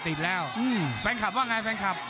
ภูตวรรณสิทธิ์บุญมีน้ำเงิน